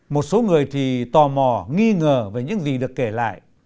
một số người thì tò mò nghi ngờ về những gì được kể lại